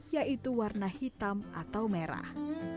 yaitu warna hitam atau merah